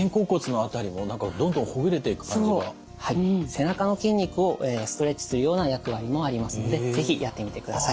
背中の筋肉をストレッチするような役割もありますので是非やってみてください。